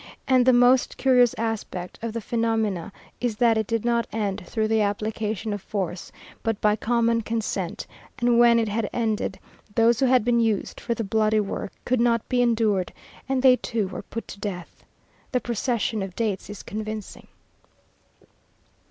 And the most curious aspect of the phenomenon is that it did not end through the application of force, but by common consent, and when it had ended, those who had been used for the bloody work could not be endured, and they too were put to death. The procession of dates is convincing.